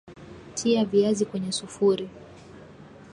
tia viazi kwenye sufuri